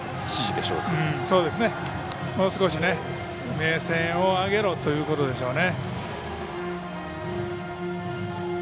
もう少し目線を上げろということでしょうね。